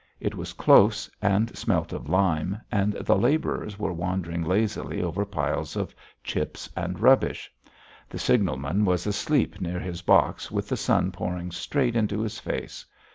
It was close and smelt of lime, and the labourers were wandering lazily over piles of chips and rubbish. The signalman was asleep near his box with the sun pouring straight into his face.